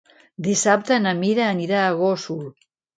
Dissabte na Mira anirà a Gósol.